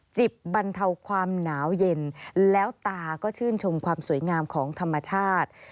จิบบรรเทาความหนาวเย็นแล้วตาก็ชื่นชมความสวยงามของธรรมชาติ